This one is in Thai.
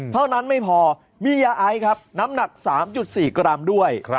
เท่านั้นไม่พอมียาไอครับน้ำหนัก๓๔กรัมด้วย